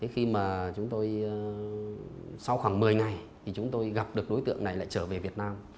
khi mà chúng tôi sau khoảng một mươi ngày thì chúng tôi gặp được đối tượng này lại trở về việt nam